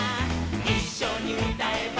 「いっしょにうたえば」